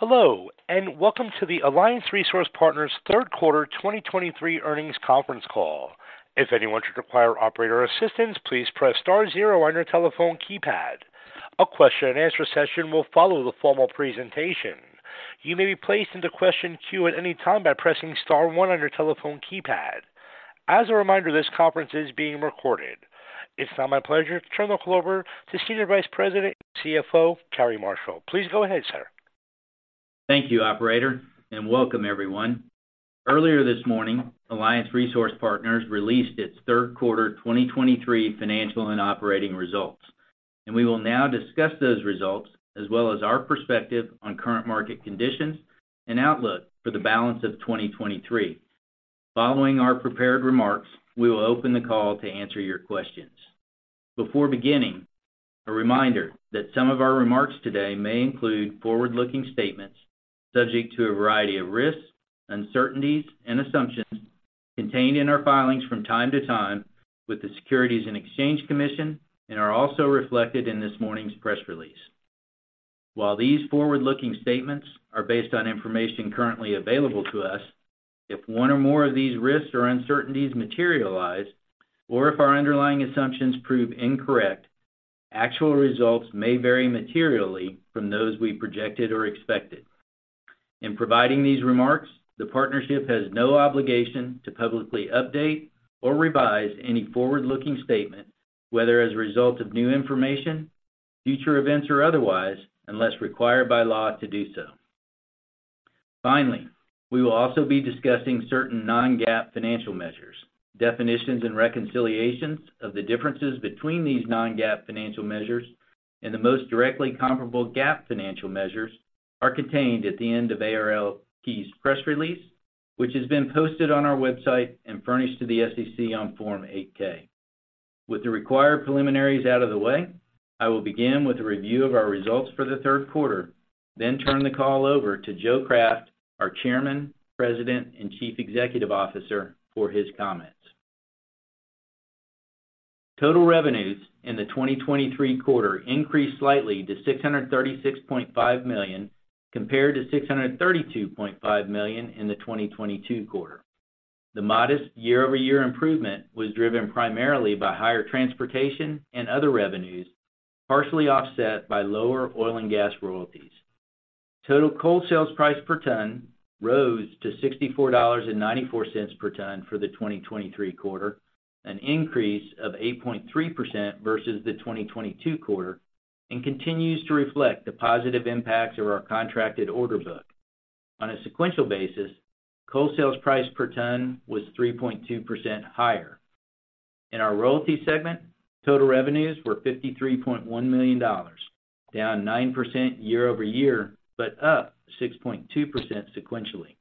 Hello, and welcome to the Alliance Resource Partners third quarter 2023 earnings conference call. If anyone should require operator assistance, please press star zero on your telephone keypad. A question-and-answer session will follow the formal presentation. You may be placed into question queue at any time by pressing star one on your telephone keypad. As a reminder, this conference is being recorded. It's now my pleasure to turn the call over to Senior Vice President and CFO, Cary Marshall. Please go ahead, sir. Thank you, operator, and welcome everyone. Earlier this morning, Alliance Resource Partners released its third quarter 2023 financial and operating results, and we will now discuss those results as well as our perspective on current market conditions and outlook for the balance of 2023. Following our prepared remarks, we will open the call to answer your questions. Before beginning, a reminder that some of our remarks today may include forward-looking statements subject to a variety of risks, uncertainties, and assumptions contained in our filings from time to time with the Securities and Exchange Commission, and are also reflected in this morning's press release. While these forward-looking statements are based on information currently available to us, if one or more of these risks or uncertainties materialize, or if our underlying assumptions prove incorrect, actual results may vary materially from those we projected or expected. In providing these remarks, the partnership has no obligation to publicly update or revise any forward-looking statement, whether as a result of new information, future events, or otherwise, unless required by law to do so. Finally, we will also be discussing certain non-GAAP financial measures. Definitions and reconciliations of the differences between these non-GAAP financial measures and the most directly comparable GAAP financial measures are contained at the end of ARLP's press release, which has been posted on our website and furnished to the SEC on Form 8-K. With the required preliminaries out of the way, I will begin with a review of our results for the third quarter, then turn the call over to Joe Craft, our Chairman, President, and Chief Executive Officer, for his comments. Total revenues in the 2023 quarter increased slightly to $636.5 million, compared to $632.5 million in the 2022 quarter. The modest year-over-year improvement was driven primarily by higher transportation and other revenues, partially offset by lower oil and gas royalties. Total coal sales price per ton rose to $64.94 per ton for the 2023 quarter, an increase of 8.3% versus the 2022 quarter, and continues to reflect the positive impacts of our contracted order book. On a sequential basis, coal sales price per ton was 3.2% higher. In our royalty segment, total revenues were $53.1 million, down 9% year over year, but up 6.2% sequentially.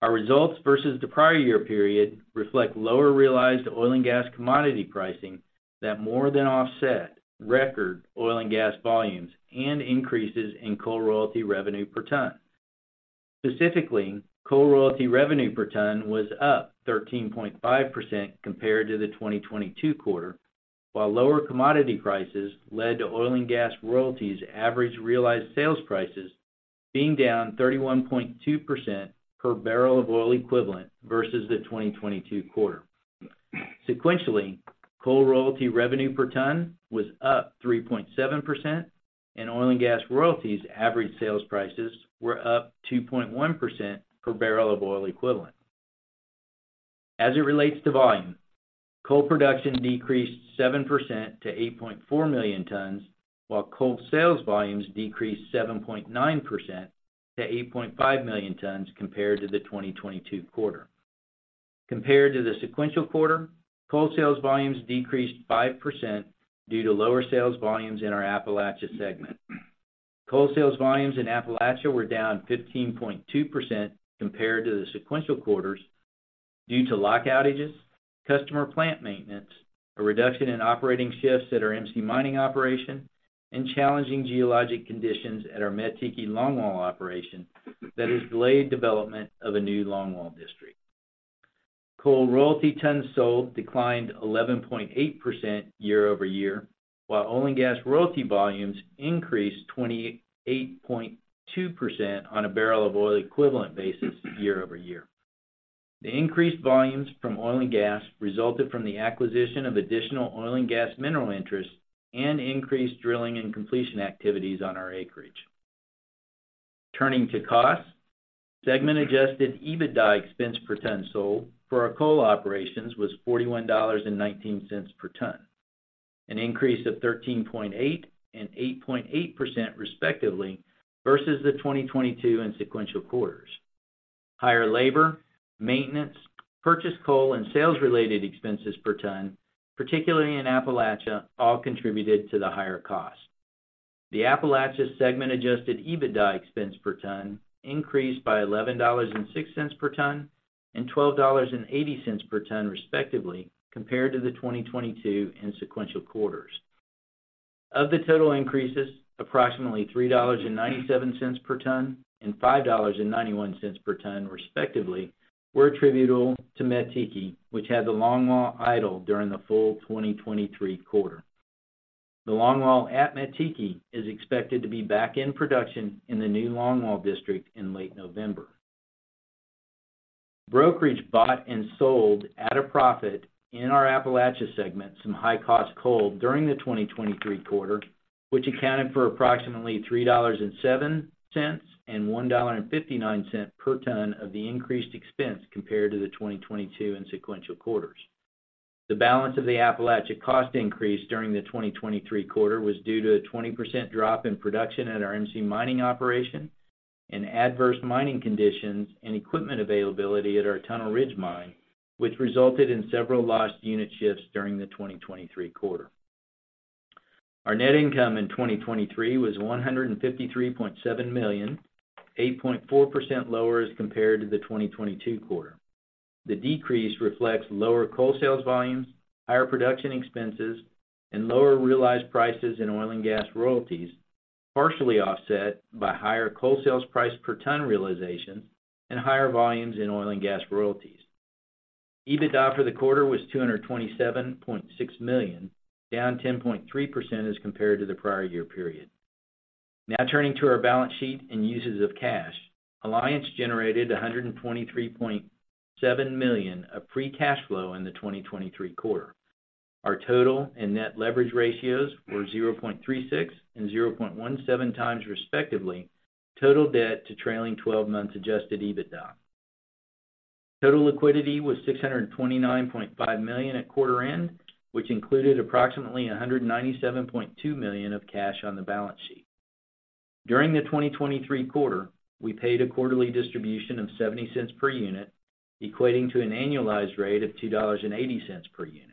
Our results versus the prior year period reflect lower realized oil and gas commodity pricing that more than offset record oil and gas volumes and increases in coal royalty revenue per ton. Specifically, coal royalty revenue per ton was up 13.5% compared to the 2022 quarter, while lower commodity prices led to oil and gas royalties average realized sales prices being down 31.2% per barrel of oil equivalent versus the 2022 quarter. Sequentially, coal royalty revenue per ton was up 3.7%, and oil and gas royalties average sales prices were up 2.1% per barrel of oil equivalent. As it relates to volume, coal production decreased 7% to 8.4 million tons, while coal sales volumes decreased 7.9% to 8.5 million tons compared to the 2022 quarter. Compared to the sequential quarter, coal sales volumes decreased 5% due to lower sales volumes in our Appalachia segment. Coal sales volumes in Appalachia were down 15.2% compared to the sequential quarters due to lock outages, customer plant maintenance, a reduction in operating shifts at our MC Mining operation, and challenging geologic conditions at our Mettiki longwall operation that has delayed development of a new longwall district. Coal royalty tons sold declined 11.8% year-over-year, while oil and gas royalty volumes increased 28.2% on a barrel of oil equivalent basis year-over-year. The increased volumes from oil and gas resulted from the acquisition of additional oil and gas mineral interests and increased drilling and completion activities on our acreage. Turning to costs, segment adjusted EBITDA expense per ton sold for our coal operations was $41.19 per ton, an increase of 13.8% and 8.8%, respectively, versus the 2022 and sequential quarters. Higher labor, maintenance, purchase coal and sales-related expenses per ton, particularly in Appalachia, all contributed to the higher cost. The Appalachia segment adjusted EBITDA expense per ton increased by $11.06 per ton and $12.80 per ton, respectively, compared to the 2022 and sequential quarters. Of the total increases, approximately $3.97 per ton and $5.91 per ton, respectively, were attributable to Mettiki, which had the longwall idle during the full 2023 quarter. The longwall at Mettiki is expected to be back in production in the new longwall district in late November. Brokerage bought and sold at a profit in our Appalachia segment, some high-cost coal during the 2023 quarter, which accounted for approximately $3.07 and $1.59 per ton of the increased expense compared to the 2022 and sequential quarters. The balance of the Appalachia cost increase during the 2023 quarter was due to a 20% drop in production at our MC Mining operation and adverse mining conditions and equipment availability at our Tunnel Ridge mine, which resulted in several lost unit shifts during the 2023 quarter. Our net income in 2023 was $153.7 million, 8.4% lower as compared to the 2022 quarter. The decrease reflects lower coal sales volumes, higher production expenses, and lower realized prices in oil and gas royalties, partially offset by higher coal sales price per ton realization and higher volumes in oil and gas royalties. EBITDA for the quarter was $227.6 million, down 10.3% as compared to the prior year period. Now turning to our balance sheet and uses of cash. Alliance generated $123.7 million of free cash flow in the 2023 quarter. Our total and net leverage ratios were 0.36 and 0.17 times, respectively, total debt to trailing twelve months adjusted EBITDA. Total liquidity was $629.5 million at quarter end, which included approximately $197.2 million of cash on the balance sheet. During the 2023 quarter, we paid a quarterly distribution of $0.70 per unit, equating to an annualized rate of $2.80 per unit.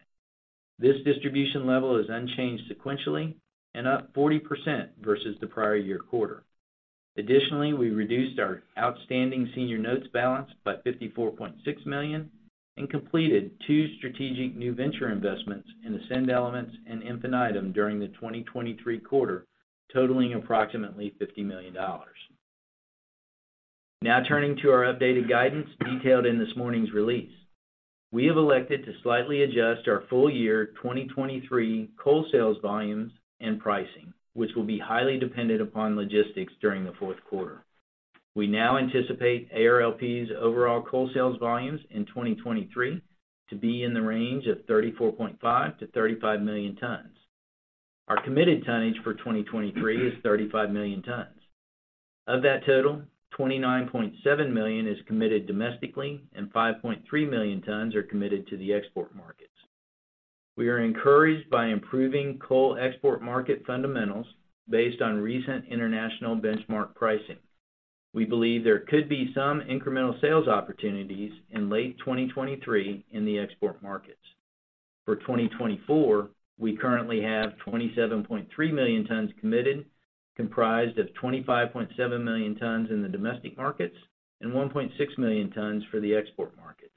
This distribution level is unchanged sequentially and up 40% versus the prior year quarter. Additionally, we reduced our outstanding senior notes balance by $54.6 million and completed two strategic new venture investments in Ascend Elements and Infinitum during the 2023 quarter, totaling approximately $50 million. Now turning to our updated guidance detailed in this morning's release. We have elected to slightly adjust our full year 2023 coal sales volumes and pricing, which will be highly dependent upon logistics during the fourth quarter. We now anticipate ARLP's overall coal sales volumes in 2023 to be in the range of 34.5-35 million tons. Our committed tonnage for 2023 is 35 million tons. Of that total, 29.7 million is committed domestically, and 5.3 million tons are committed to the export markets. We are encouraged by improving coal export market fundamentals based on recent international benchmark pricing. We believe there could be some incremental sales opportunities in late 2023 in the export markets. For 2024, we currently have 27.3 million tons committed, comprised of 25.7 million tons in the domestic markets and 1.6 million tons for the export markets.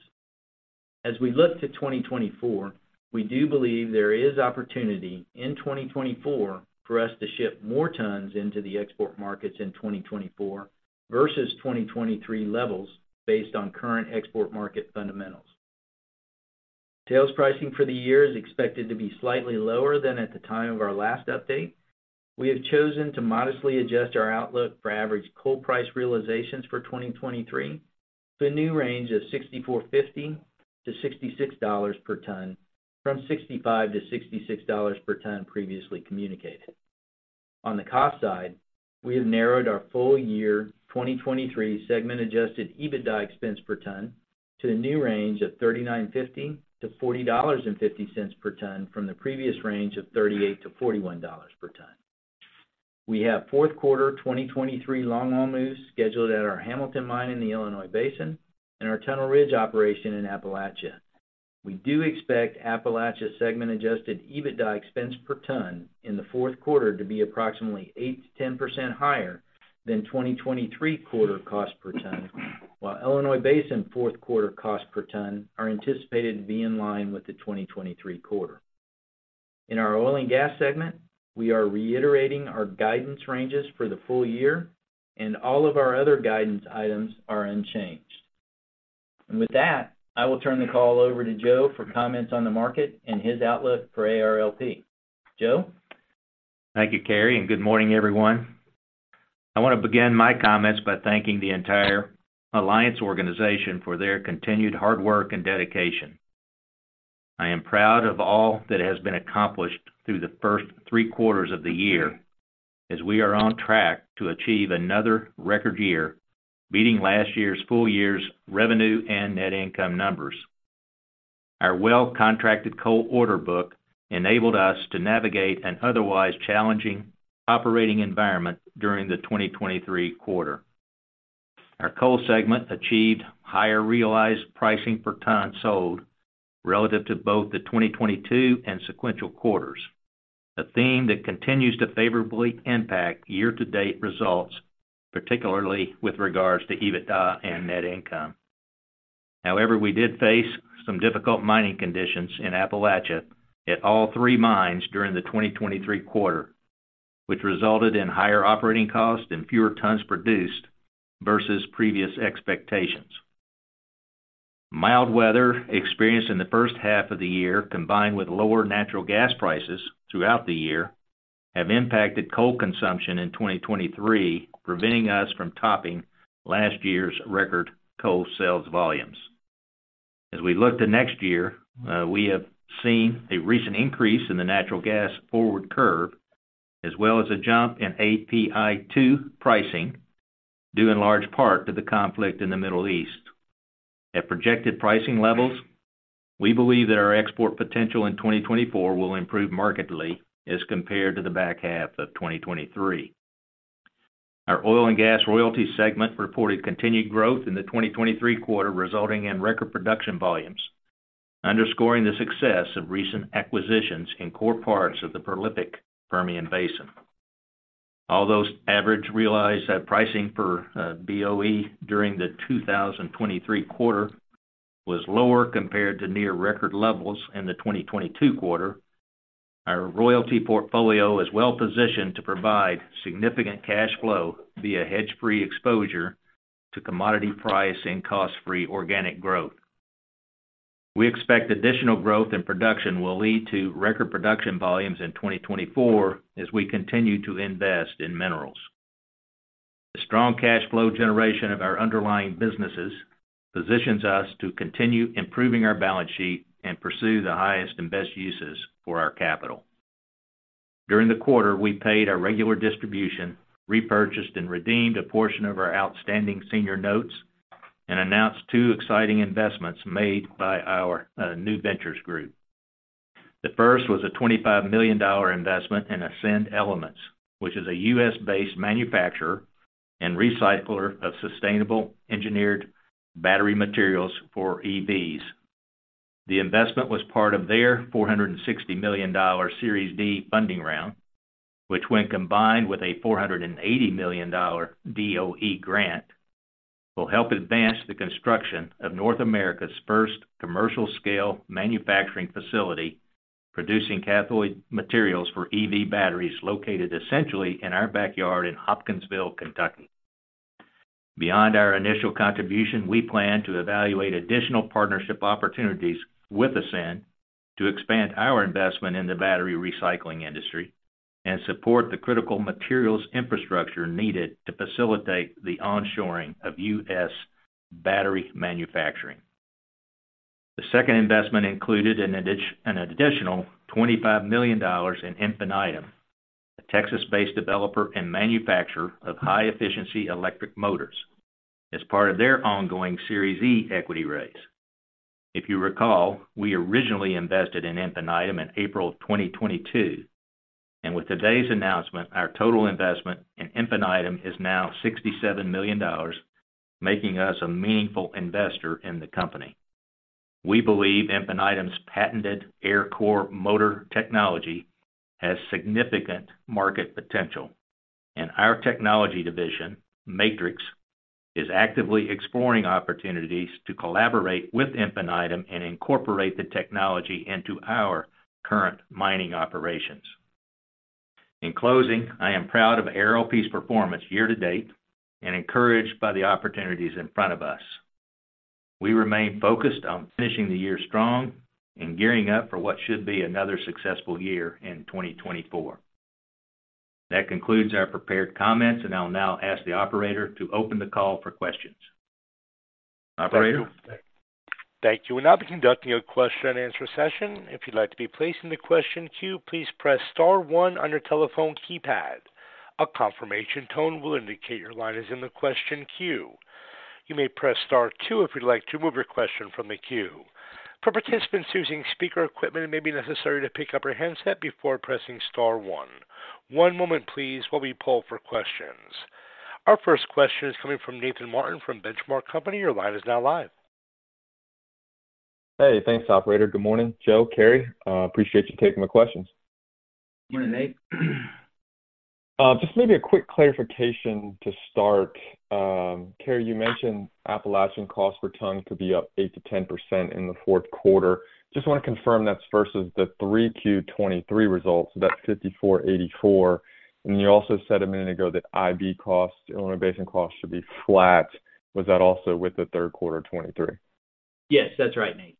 As we look to 2024, we do believe there is opportunity in 2024 for us to ship more tons into the export markets in 2024 versus 2023 levels based on current export market fundamentals. Sales pricing for the year is expected to be slightly lower than at the time of our last update. We have chosen to modestly adjust our outlook for average coal price realizations for 2023 to a new range of $64.50-$66 per ton, from $65-$66 per ton previously communicated. On the cost side, we have narrowed our full year 2023 segment adjusted EBITDA expense per ton to a new range of $39.50-$40.50 per ton from the previous range of $38-$41 per ton. We have fourth quarter 2023 longwall moves scheduled at our Hamilton Mine in the Illinois Basin and our Tunnel Ridge operation in Appalachia. We do expect Appalachia segment adjusted EBITDA expense per ton in the fourth quarter to be approximately 8%-10% higher than 2023 quarter cost per ton, while Illinois Basin fourth quarter cost per ton are anticipated to be in line with the 2023 quarter. In our oil and gas segment, we are reiterating our guidance ranges for the full year, and all of our other guidance items are unchanged. With that, I will turn the call over to Joe for comments on the market and his outlook for ARLP. Joe? Thank you, Cary, and good morning, everyone. I want to begin my comments by thanking the entire Alliance organization for their continued hard work and dedication. I am proud of all that has been accomplished through the first three quarters of the year, as we are on track to achieve another record year, beating last year's full year's revenue and net income numbers. Our well-contracted coal order book enabled us to navigate an otherwise challenging operating environment during the 2023 quarter. Our coal segment achieved higher realized pricing per ton sold relative to both the 2022 and sequential quarters, a theme that continues to favorably impact year-to-date results, particularly with regards to EBITDA and net income. However, we did face some difficult mining conditions in Appalachia at all three mines during the 2023 quarter, which resulted in higher operating costs and fewer tons produced versus previous expectations. Mild weather experienced in the first half of the year, combined with lower natural gas prices throughout the year, have impacted coal consumption in 2023, preventing us from topping last year's record coal sales volumes. As we look to next year, we have seen a recent increase in the natural gas forward curve, as well as a jump in API2 pricing, due in large part to the conflict in the Middle East. At projected pricing levels, we believe that our export potential in 2024 will improve markedly as compared to the back half of 2023. Our oil and gas royalty segment reported continued growth in the 2023 quarter, resulting in record production volumes, underscoring the success of recent acquisitions in core parts of the prolific Permian Basin. Although average realized that pricing per BOE during the 2023 quarter was lower compared to near record levels in the 2022 quarter, our royalty portfolio is well positioned to provide significant cash flow via hedge-free exposure to commodity price and cost-free organic growth. We expect additional growth and production will lead to record production volumes in 2024 as we continue to invest in minerals. The strong cash flow generation of our underlying businesses positions us to continue improving our balance sheet and pursue the highest and best uses for our capital. During the quarter, we paid our regular distribution, repurchased and redeemed a portion of our outstanding senior notes, and announced two exciting investments made by our new ventures group. The first was a $25 million investment in Ascend Elements, which is a U.S.-based manufacturer and recycler of sustainable engineered battery materials for EVs. The investment was part of their $460 million Series D funding round, which, when combined with a $480 million DOE grant, will help advance the construction of North America's first commercial-scale manufacturing facility, producing cathode materials for EV batteries, located essentially in our backyard in Hopkinsville, Kentucky. Beyond our initial contribution, we plan to evaluate additional partnership opportunities with Ascend to expand our investment in the battery recycling industry and support the critical materials infrastructure needed to facilitate the onshoring of U.S. battery manufacturing. The second investment included an additional $25 million in Infinitum, a Texas-based developer and manufacturer of high-efficiency electric motors, as part of their ongoing Series E equity raise. If you recall, we originally invested in Infinitum in April of 2022, and with today's announcement, our total investment in Infinitum is now $67 million, making us a meaningful investor in the company. We believe Infinitum's patented AirCore motor technology has significant market potential, and our technology division, Matrix, is actively exploring opportunities to collaborate with Infinitum and incorporate the technology into our current mining operations. In closing, I am proud of ARLP's performance year to date and encouraged by the opportunities in front of us. We remain focused on finishing the year strong and gearing up for what should be another successful year in 2024. That concludes our prepared comments, and I'll now ask the operator to open the call for questions. Operator? Thank you. We'll now be conducting a question and answer session. If you'd like to be placed in the question queue, please press star one on your telephone keypad. A confirmation tone will indicate your line is in the question queue. You may press star two if you'd like to remove your question from the queue. For participants using speaker equipment, it may be necessary to pick up your handset before pressing star one. One moment please, while we pull for questions. Our first question is coming from Nathan Martin from Benchmark Company. Your line is now live. Hey, thanks, operator. Good morning, Joe, Cary. Appreciate you taking my questions. Good morning, Nate. Just maybe a quick clarification to start. Cary, you mentioned Appalachian cost per ton could be up 8%-10% in the fourth quarter. Just want to confirm that's versus the 3Q 2023 results, so that's $54.84. And you also said a minute ago that IB costs, Illinois Basin costs, should be flat. Was that also with the third quarter of 2023? Yes, that's right, Nate.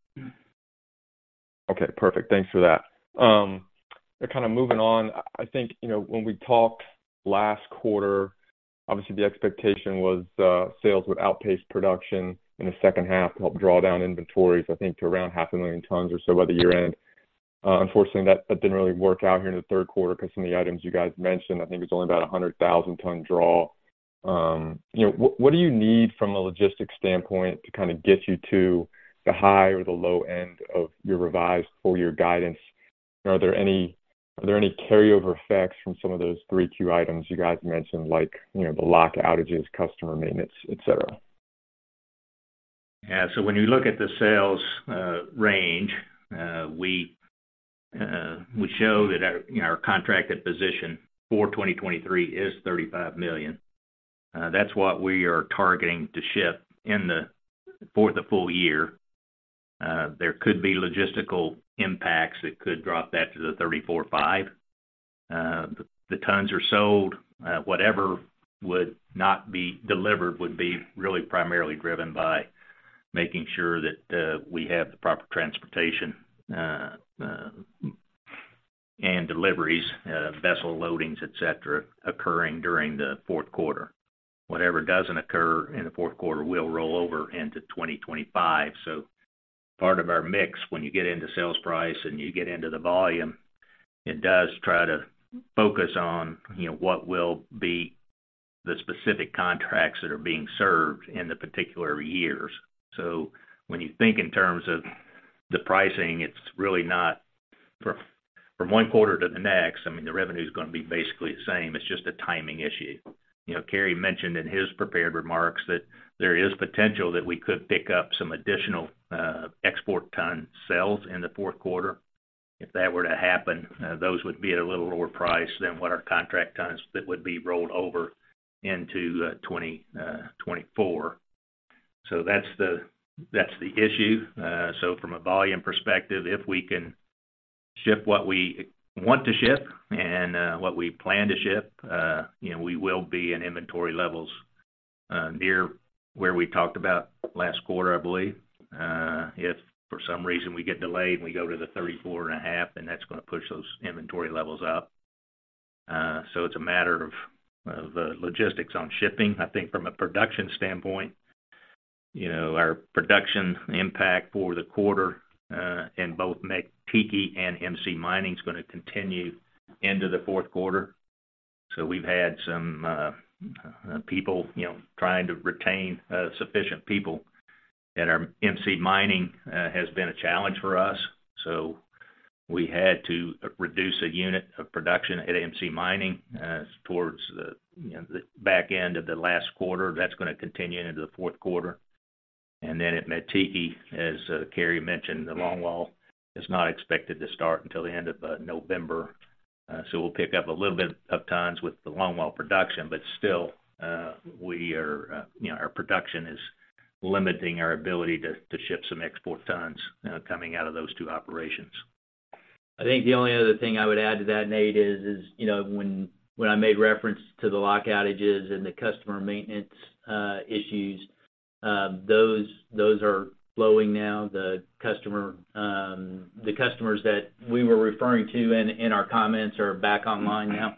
Okay, perfect. Thanks for that. Kind of moving on. I think, you know, when we talked last quarter, obviously the expectation was, sales would outpace production in the second half to help draw down inventories, I think, to around 500,000 tons or so by the year end. Unfortunately, that, that didn't really work out here in the third quarter because some of the items you guys mentioned, I think it was only about a 100,000-ton draw. You know, what, what do you need from a logistics standpoint to kind of get you to the high or the low end of your revised full year guidance? Are there any-- are there any carryover effects from some of those 3Q items you guys mentioned, like, you know, the lock outages, customer maintenance, et cetera? Yeah. So when you look at the sales range, we show that our, you know, our contracted position for 2023 is 35 million. That's what we are targeting to ship in for the full year. There could be logistical impacts that could drop that to the 34-35. The tons are sold. Whatever would not be delivered would be really primarily driven by making sure that we have the proper transportation and deliveries, vessel loadings, etc., occurring during the fourth quarter. Whatever doesn't occur in the fourth quarter will roll over into 2025. So part of our mix, when you get into sales price and you get into the volume, it does try to focus on, you know, what will be the specific contracts that are being served in the particular years. So when you think in terms of the pricing, it's really not from one quarter to the next. I mean, the revenue is gonna be basically the same. It's just a timing issue. You know, Cary mentioned in his prepared remarks that there is potential that we could pick up some additional export ton sales in the fourth quarter. If that were to happen, those would be at a little lower price than what our contract tons that would be rolled over into 2024. So that's the issue. So from a volume perspective, if we can ship what we want to ship and what we plan to ship, you know, we will be in inventory levels near where we talked about last quarter, I believe. If for some reason we get delayed, and we go to the 34.5, then that's gonna push those inventory levels up. It's a matter of logistics on shipping. I think from a production standpoint, you know, our production impact for the quarter, in both Mettiki and MC Mining, is gonna continue into the fourth quarter. We've had some people, you know, trying to retain sufficient people at our MC Mining, has been a challenge for us. We had to reduce a unit of production at MC Mining, towards the back end of the last quarter. That's gonna continue into the fourth quarter. Then at Mettiki, as Carey mentioned, the longwall is not expected to start until the end of November. So we'll pick up a little bit of tons with the longwall production, but still, we are, you know, our production is limiting our ability to, to ship some export tons, coming out of those two operations. I think the only other thing I would add to that, Nate, is you know, when I made reference to the lock outages and the customer maintenance issues, those are flowing now. The customers that we were referring to in our comments are back online now.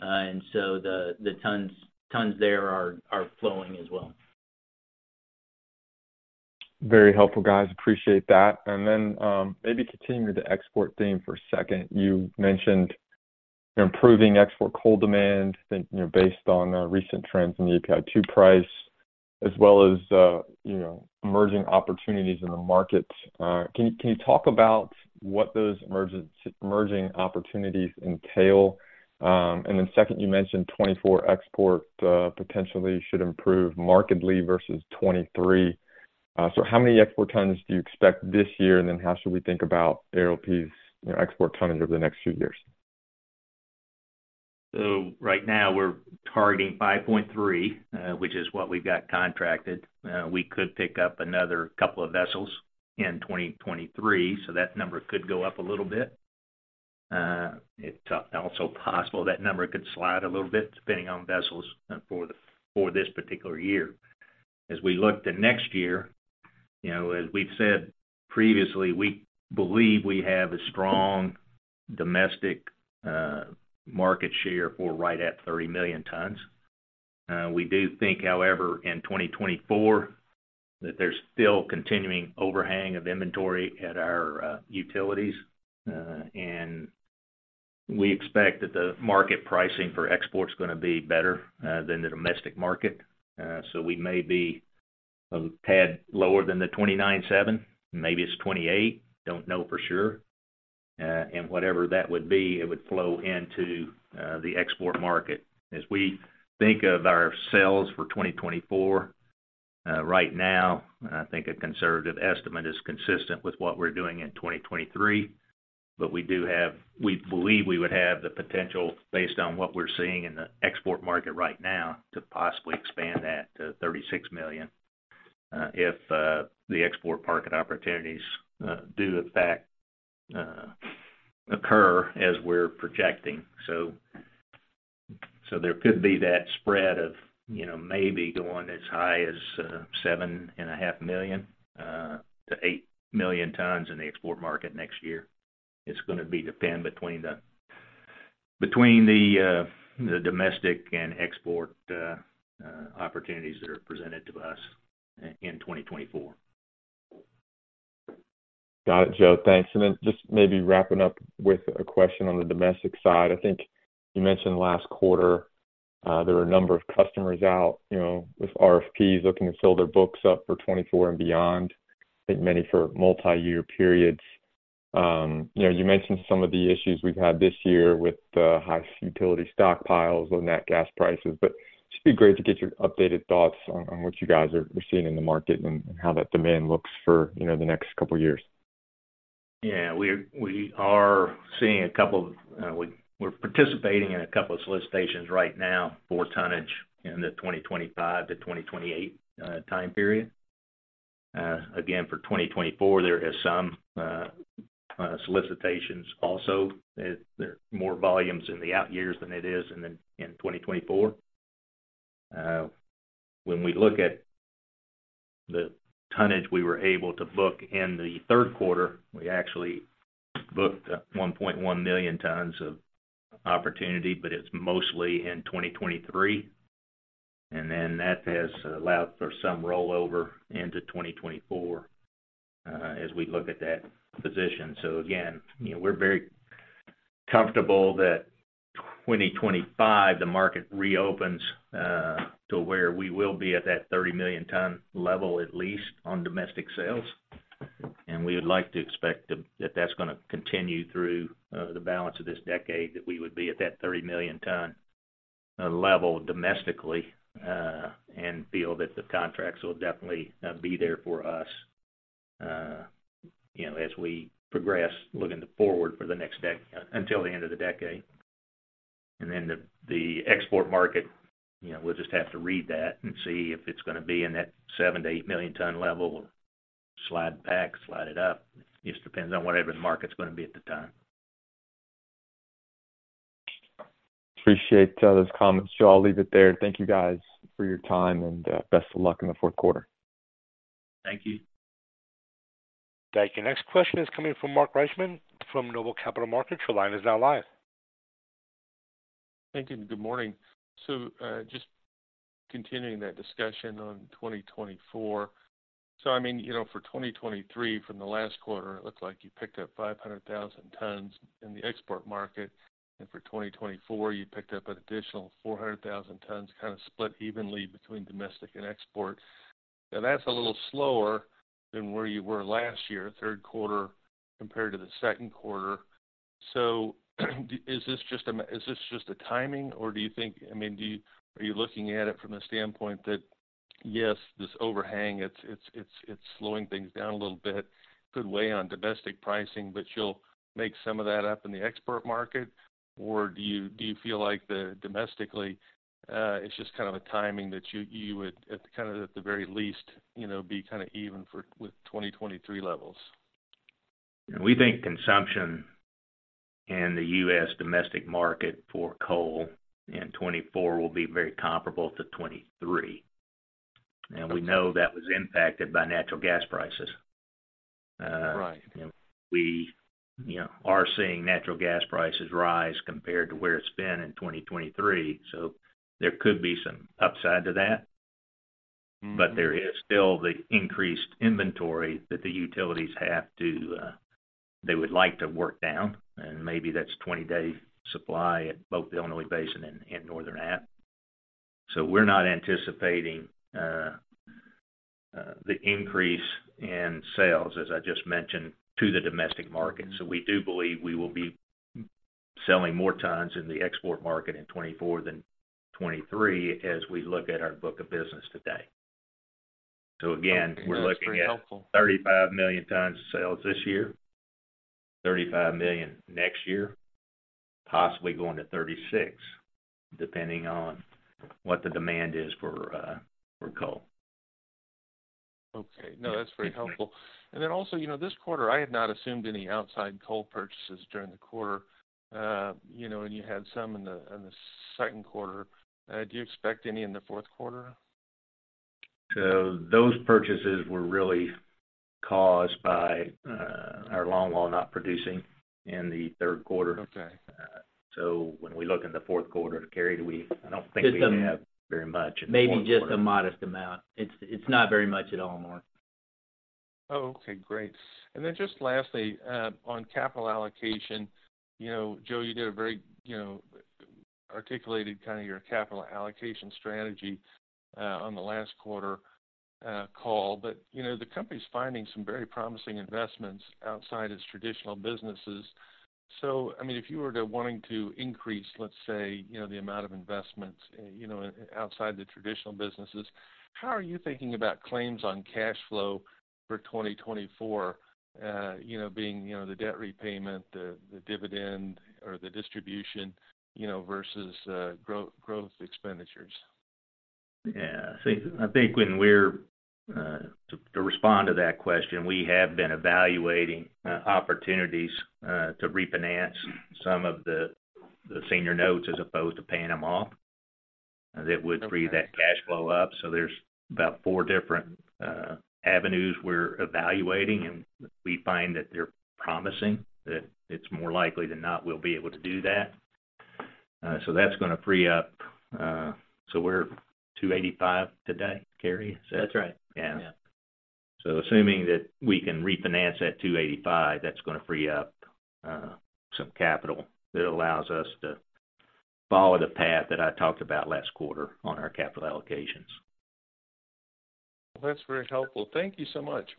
And so the tons there are flowing as well. Very helpful, guys. Appreciate that. And then, maybe continuing with the export theme for a second. You mentioned improving export coal demand, then, you know, based on recent trends in the API2 price, as well as, you know, emerging opportunities in the market. Can you, can you talk about what those emerging, emerging opportunities entail? And then second, you mentioned 2024 export, potentially should improve markedly versus 2023. So how many export tons do you expect this year? And then how should we think about ARLP's, you know, export tonnage over the next few years? So right now, we're targeting 5.3, which is what we've got contracted. We could pick up another couple of vessels in 2023, so that number could go up a little bit. It's also possible that number could slide a little bit, depending on vessels for the, for this particular year. As we look to next year, you know, as we've said previously, we believe we have a strong domestic market share for right at 30 million tons. We do think, however, in 2024, that there's still continuing overhang of inventory at our utilities. And we expect that the market pricing for export is gonna be better than the domestic market. So we may be a tad lower than the 29.7. Maybe it's 28, don't know for sure. And whatever that would be, it would flow into the export market. As we think of our sales for 2024, right now, I think a conservative estimate is consistent with what we're doing in 2023. But we do have—we believe we would have the potential, based on what we're seeing in the export market right now, to possibly expand that to 36 million, if the export market opportunities do in fact occur as we're projecting. So there could be that spread of, you know, maybe going as high as 7.5 million-8 million tons in the export market next year. It's gonna depend between the domestic and export opportunities that are presented to us in 2024. Got it, Joe. Thanks. And then just maybe wrapping up with a question on the domestic side. I think you mentioned last quarter, there are a number of customers out, you know, with RFPs, looking to fill their books up for 2024 and beyond, I think many for multi-year periods. You know, you mentioned some of the issues we've had this year with the high utility stockpiles and nat gas prices, but it'd just be great to get your updated thoughts on what you guys are seeing in the market and how that demand looks for, you know, the next couple of years. Yeah, we're participating in a couple of solicitations right now for tonnage in the 2025-2028 time period. Again, for 2024, there is some solicitations also. There are more volumes in the out years than it is in 2024. When we look at the tonnage we were able to book in the third quarter, we actually booked 1.1 million tons of opportunity, but it's mostly in 2023, and then that has allowed for some rollover into 2024, as we look at that position. So again, you know, we're very comfortable that 2025, the market reopens to where we will be at that 30 million ton level, at least on domestic sales. We would like to expect that, that's gonna continue through the balance of this decade, that we would be at that 30 million ton level domestically, and feel that the contracts will definitely be there for us, you know, as we progress, looking forward until the end of the decade. Then the export market, you know, we'll just have to read that and see if it's gonna be in that 7-8 million ton level, slide back, slide it up. It just depends on whatever the market's gonna be at the time. Appreciate those comments. So I'll leave it there. Thank you, guys, for your time, and best of luck in the fourth quarter. Thank you. Thank you. Next question is coming from Mark Reichman from Noble Capital Markets. Your line is now live. Thank you, and good morning. So, just continuing that discussion on 2024. So I mean, you know, for 2023, from the last quarter, it looked like you picked up 500,000 tons in the export market, and for 2024, you picked up an additional 400,000 tons, kind of split evenly between domestic and export. Now, that's a little slower than where you were last year, third quarter compared to the second quarter. So is this just a timing, or do you think I mean, do you, are you looking at it from the standpoint that, yes, this overhang, it's, it's, it's slowing things down a little bit, could weigh on domestic pricing, but you'll make some of that up in the export market? Or do you feel like the domestically, it's just kind of a timing that you would, at kind of the very least, you know, be kind of even with 2023 levels? We think consumption in the U.S. domestic market for coal in 2024 will be very comparable to 2023. And we know that was impacted by natural gas prices. Right. We, you know, are seeing natural gas prices rise compared to where it's been in 2023, so there could be some upside to that. But there is still the increased inventory that the utilities have to, they would like to work down, and maybe that's 20-day supply at both the Illinois Basin and, and Northern Appalachia. So we're not anticipating the increase in sales, as I just mentioned, to the domestic market. So we do believe we will be selling more tons in the export market in 2024 than 2023, as we look at our book of business today. So again. Okay. That's very helpful. 35 million tons of sales this year, 35 million next year, possibly going to 36, depending on what the demand is for coal. Okay. No, that's very helpful. And then also, you know, this quarter, I had not assumed any outside coal purchases during the quarter. You know, and you had some in the second quarter. Do you expect any in the fourth quarter? So those purchases were really caused by our longwall not producing in the third quarter. So, when we look in the fourth quarter, Cary, I don't think we have very much. Maybe just a modest amount. It's, it's not very much at all, Mark. Oh, okay, great. And then just lastly, on capital allocation, you know, Joe, you did a very, you know, articulated kind of your capital allocation strategy, on the last quarter, call. But, you know, the company's finding some very promising investments outside its traditional businesses. So, I mean, if you were to wanting to increase, let's say, you know, the amount of investments, you know, outside the traditional businesses, how are you thinking about claims on cash flow for 2024? You know, being, you know, the debt repayment, the, the dividend or the distribution, you know, versus, growth expenditures? Yeah. I think when we're to respond to that question, we have been evaluating opportunities to refinance some of the senior notes as opposed to paying them off. That would free that cash flow up. So there's about four different avenues we're evaluating, and we find that they're promising, that it's more likely than not we'll be able to do that. So that's gonna free up, so we're 2.85 today, Cary, is that. That's right. Yeah. Yeah. Assuming that we can refinance at 2.85, that's gonna free up some capital that allows us to follow the path that I talked about last quarter on our capital allocations. That's very helpful. Thank you so much.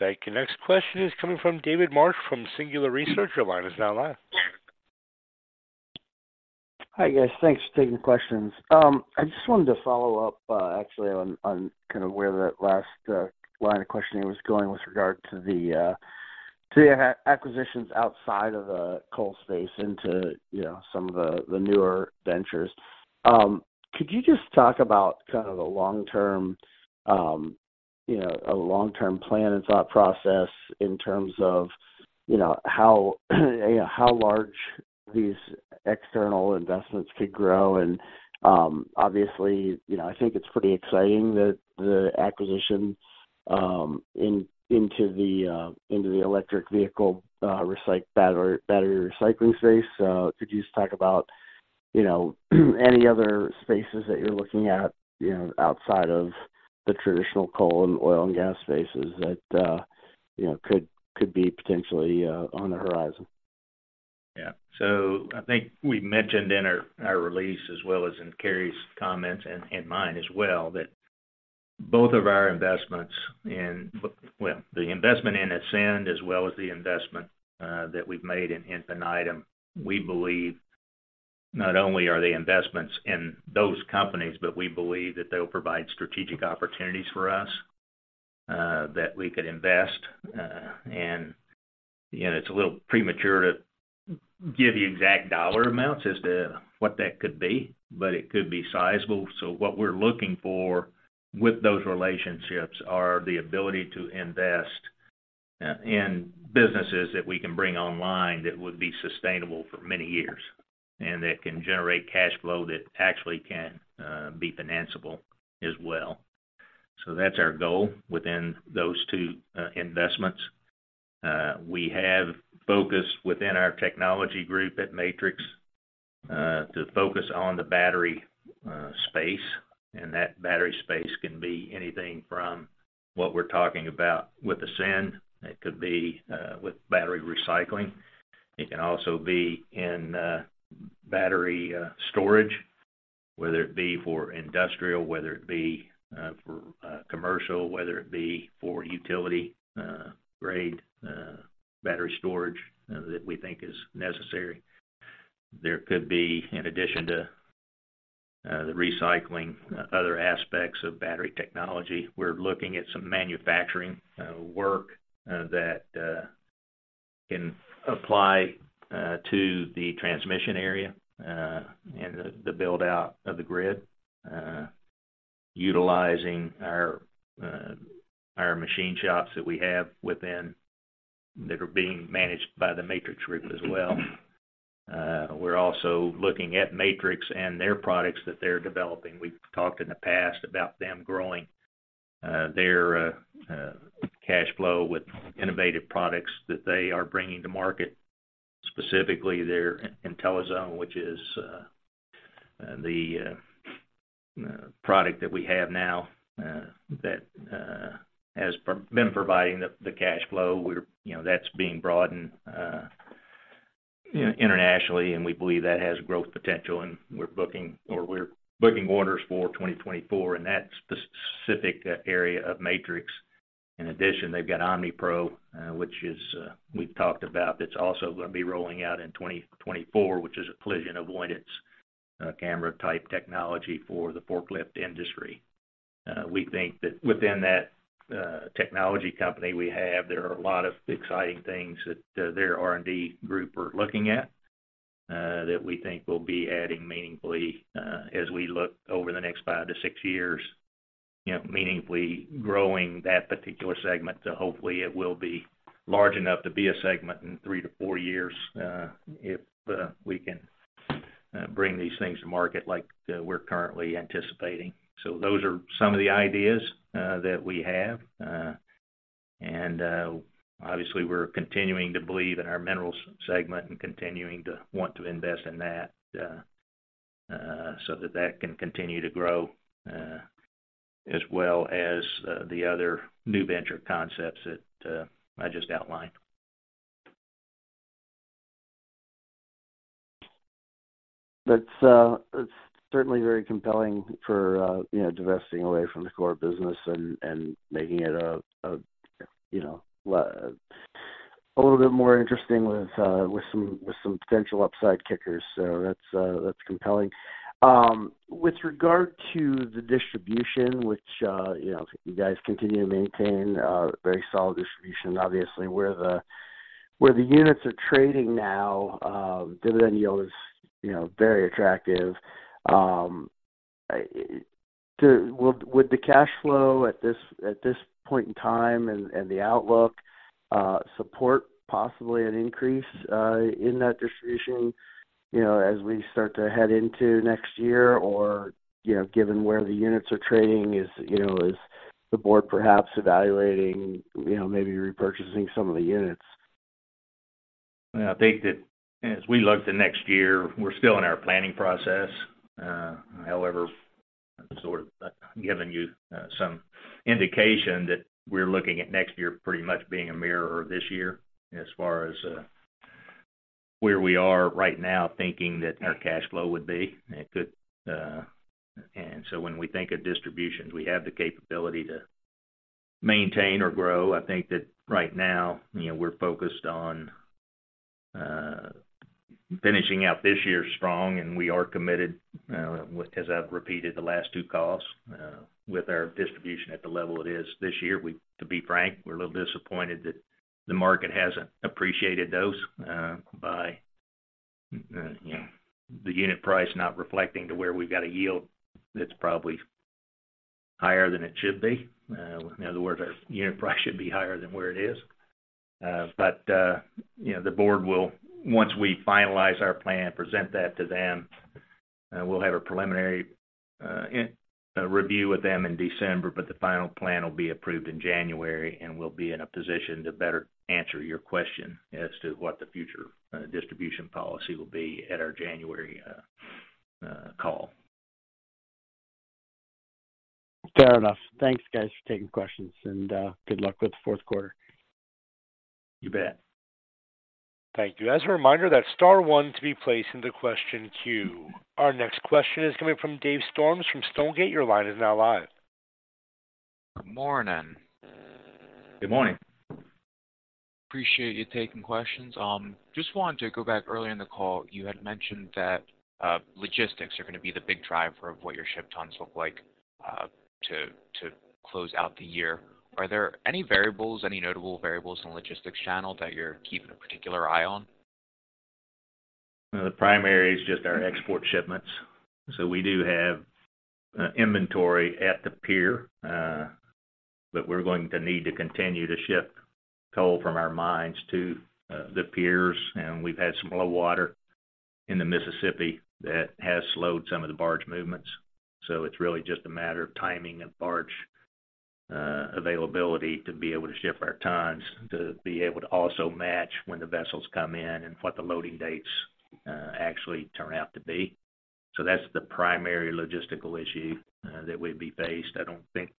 Thank you. Next question is coming from David Marsh from Singular Research. Your line is now live. Hi, guys. Thanks for taking the questions. I just wanted to follow up, actually, on kind of where that last line of questioning was going with regard to the. So you have acquisitions outside of the coal space into, you know, some of the, the newer ventures. Could you just talk about kind of the long-term, you know, a long-term plan and thought process in terms of, you know, how, how large these external investments could grow? And, obviously, you know, I think it's pretty exciting that the acquisition in, into the, into the electric vehicle battery recycling space. So could you just talk about, you know, any other spaces that you're looking at, you know, outside of the traditional coal and oil and gas spaces that you know could be potentially on the horizon? Yeah. So I think we mentioned in our, our release, as well as in Cary's comments and, and mine as well, that both of our investments in well, the investment in Ascend, as well as the investment that we've made in, in Infinitum, we believe not only are they investments in those companies, but we believe that they'll provide strategic opportunities for us that we could invest. And, you know, it's a little premature to give you exact dollar amounts as to what that could be, but it could be sizable. So what we're looking for with those relationships are the ability to invest in businesses that we can bring online that would be sustainable for many years, and that can generate cash flow that actually can be financeable as well. So that's our goal within those two investments. We have focused within our technology group at Matrix to focus on the battery space, and that battery space can be anything from what we're talking about with Ascend. It could be with battery recycling. It can also be in battery storage, whether it be for industrial, whether it be for commercial, whether it be for utility grade battery storage that we think is necessary. There could be, in addition to the recycling, other aspects of battery technology. We're looking at some manufacturing work that can apply to the transmission area and the build-out of the grid, utilizing our our machine shops that we have within that are being managed by the Matrix group as well. We're also looking at Matrix and their products that they're developing. We've talked in the past about them growing their cash flow with innovative products that they are bringing to market, specifically their IntelliZone, which is the product that we have now that has been providing the cash flow. You know, that's being broadened internationally, and we believe that has growth potential, and we're booking orders for 2024 in that specific area of Matrix. In addition, they've got OmniPro, which is we've talked about, that's also gonna be rolling out in 2024, which is a collision avoidance camera-type technology for the forklift industry. We think that within that technology company we have, there are a lot of exciting things that their R&D group are looking at that we think will be adding meaningfully as we look over the next five-six years, you know, meaningfully growing that particular segment. So hopefully, it will be large enough to be a segment in three-four years if we can bring these things to market like we're currently anticipating. So those are some of the ideas that we have. And obviously, we're continuing to believe in our minerals segment and continuing to want to invest in that so that that can continue to grow as well as the other new venture concepts that I just outlined. That's, that's certainly very compelling for, you know, divesting away from the core business and, and making it a, a, you know, a little bit more interesting with, with some, with some potential upside kickers. So that's, that's compelling. With regard to the distribution, which, you know, you guys continue to maintain a very solid distribution, obviously, where the, where the units are trading now, dividend yield is, you know, very attractive. Would, would the cash flow at this, at this point in time and, and the outlook, support possibly an increase, in that distribution, you know, as we start to head into next year? Or, you know, given where the units are trading, is, you know, is the board perhaps evaluating, you know, maybe repurchasing some of the units? I think that as we look to next year, we're still in our planning process. However, sort of giving you some indication that we're looking at next year pretty much being a mirror of this year as far as where we are right now, thinking that our cash flow would be. It could, so when we think of distributions, we have the capability to maintain or grow. I think that right now, you know, we're focused on finishing out this year strong, and we are committed, with, as I've repeated the last two calls, with our distribution at the level it is this year. We, to be frank, we're a little disappointed that the market hasn't appreciated those, by, you know, the unit price not reflecting to where we've got a yield that's probably higher than it should be. In other words, our unit price should be higher than where it is. But, you know, the board will, once we finalize our plan, present that to them, and we'll have a preliminary review with them in December, but the final plan will be approved in January, and we'll be in a position to better answer your question as to what the future distribution policy will be at our January call. Fair enough. Thanks, guys, for taking questions, and good luck with the fourth quarter. You bet. Thank you. As a reminder, that's star one to be placed in the question queue. Our next question is coming from Dave Storms from Stonegate. Your line is now live. Good morning. Good morning. Appreciate you taking questions. Just wanted to go back earlier in the call, you had mentioned that logistics are gonna be the big driver of what your shipped tons look like to close out the year. Are there any variables, any notable variables in the logistics channel that you're keeping a particular eye on? The primary is just our export shipments. So we do have inventory at the pier, but we're going to need to continue to ship coal from our mines to the piers, and we've had some low water in the Mississippi River that has slowed some of the barge movements. So it's really just a matter of timing of barge availability to be able to ship our tons, to be able to also match when the vessels come in and what the loading dates actually turn out to be. So that's the primary logistical issue that we'd be faced. I don't think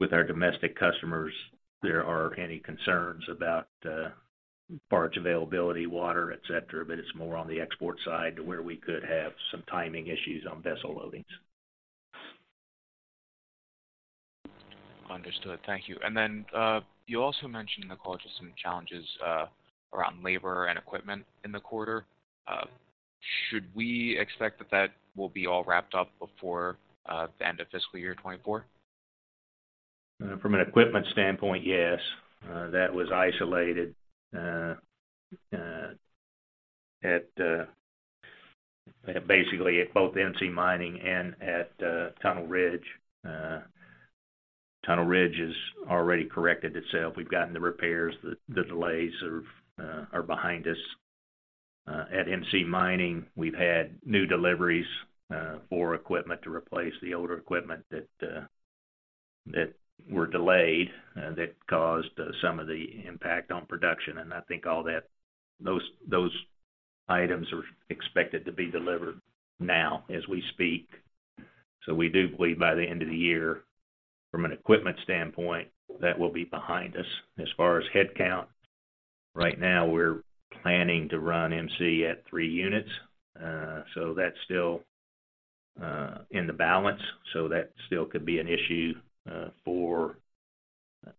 with our domestic customers, there are any concerns about barge availability, water, et cetera, but it's more on the export side, where we could have some timing issues on vessel loadings. Understood. Thank you. And then, you also mentioned in the call just some challenges around labor and equipment in the quarter. Should we expect that that will be all wrapped up before the end of fiscal year 2024? From an equipment standpoint, yes. That was isolated, basically at both MC Mining and at Tunnel Ridge. Tunnel Ridge has already corrected itself. We've gotten the repairs. The delays are behind us. At MC Mining, we've had new deliveries for equipment to replace the older equipment that were delayed that caused some of the impact on production. And I think all those items are expected to be delivered now as we speak. So we do believe by the end of the year, from an equipment standpoint, that will be behind us. As far as headcount, right now, we're planning to run MC at three units, so that's still in the balance, so that still could be an issue for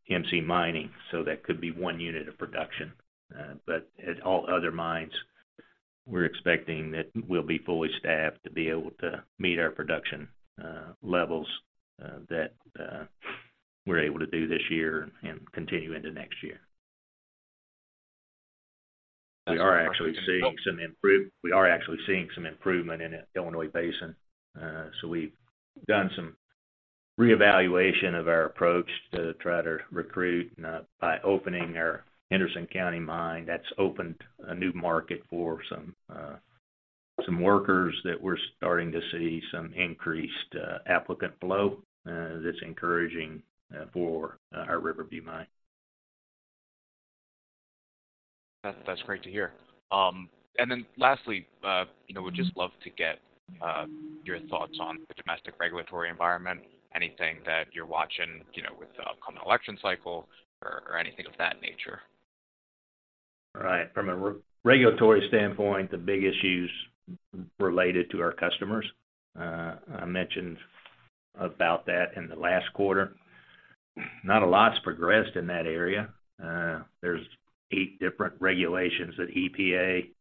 MC Mining, so that could be one unit of production. But at all other mines, we're expecting that we'll be fully staffed to be able to meet our production levels that we're able to do this year and continue into next year. We are actually seeing some improvement in the Illinois Basin. So we've done some reevaluation of our approach to try to recruit by opening our Henderson County mine. That's opened a new market for some some workers that we're starting to see some increased applicant flow that's encouraging for our River View mine. That's, that's great to hear. And then lastly, you know, would just love to get your thoughts on the domestic regulatory environment, anything that you're watching, you know, with the upcoming election cycle or anything of that nature? Right. From a regulatory standpoint, the big issue is related to our customers. I mentioned about that in the last quarter. Not a lot's progressed in that area. There's eight different regulations that EPA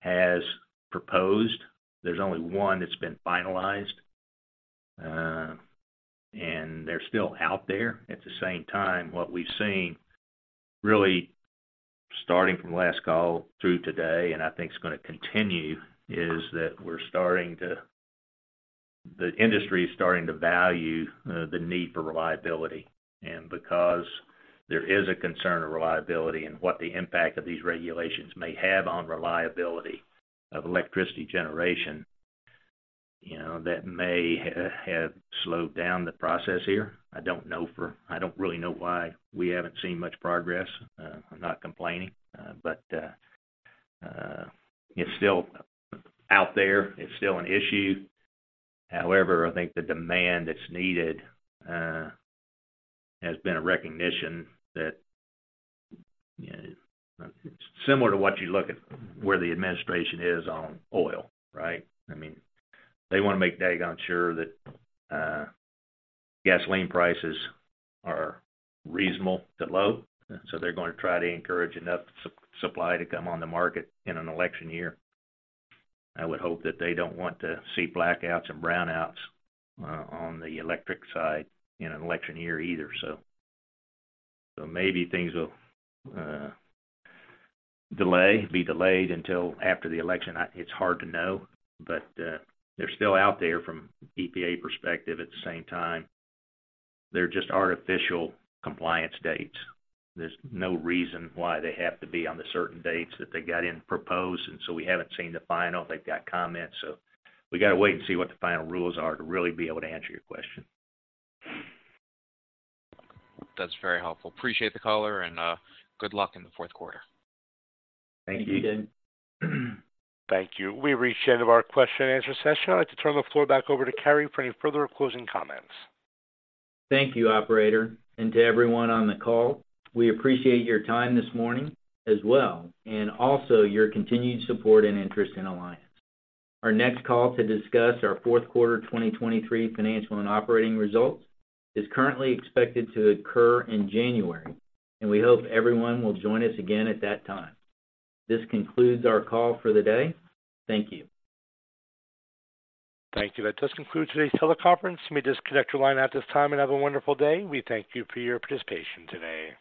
has proposed. There's only one that's been finalized, and they're still out there. At the same time, what we've seen, really starting from last call through today, and I think it's gonna continue, is that we're starting to—the industry is starting to value the need for reliability. And because there is a concern of reliability and what the impact of these regulations may have on reliability of electricity generation, you know, that may have slowed down the process here. I don't really know why we haven't seen much progress. I'm not complaining, but it's still out there. It's still an issue. However, I think the demand that's needed has been a recognition that, you know, similar to what you look at where the administration is on oil, right? I mean, they want to make daggone sure that gasoline prices are reasonable to low, so they're going to try to encourage enough supply to come on the market in an election year. I would hope that they don't want to see blackouts and brownouts on the electric side in an election year either. So maybe things will be delayed until after the election. It's hard to know, but they're still out there from EPA perspective. At the same time, they're just artificial compliance dates. There's no reason why they have to be on the certain dates that they got in proposed, and so we haven't seen the final. They've got comments, so we got to wait and see what the final rules are to really be able to answer your question. That's very helpful. Appreciate the call, and good luck in the fourth quarter. Thank you. Thank you. We've reached the end of our question and answer session. I'd like to turn the floor back over to Cary for any further closing comments. Thank you, operator, and to everyone on the call. We appreciate your time this morning as well, and also your continued support and interest in Alliance. Our next call to discuss our fourth quarter 2023 financial and operating results is currently expected to occur in January, and we hope everyone will join us again at that time. This concludes our call for the day. Thank you. Thank you. That does conclude today's teleconference. You may disconnect your line at this time and have a wonderful day. We thank you for your participation today.